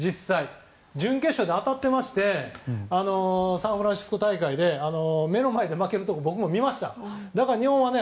準決勝で当たってましてサンフランシスコ大会で目の前で負けるところを僕も見ました。